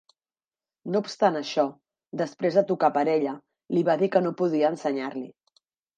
No obstant això, després de tocar per a ella, li va dir que no podia ensenyar-li.